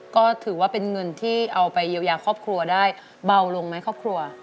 ก็ถือว่าเป็นเงินที่เอาไปเยียวยาครอบครัวได้เบาลงไหมครอบครัว